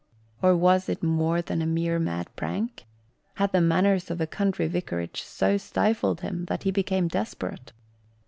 Or was it more than a mere mad prank? Had the manners of a country vicarage so stifled him that he became desperate?